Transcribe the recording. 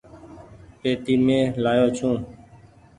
پيتي مين لآيو ڇون۔